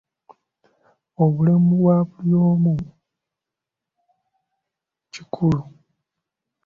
Obulamu bwa buli omu kikulu.